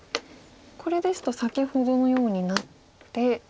これですと先ほどのようになって。